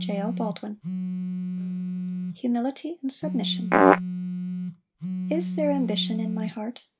Psalm 131. Humility and submission. 1 Is there ambition in my heart?